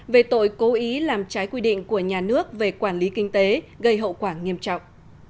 về tội cố ý làm trái quy định của nhà nước về quản lý kinh tế gây hậu quả nghiêm trọng